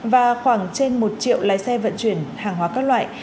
và khoảng trên một triệu lái xe vận chuyển hàng hóa các loại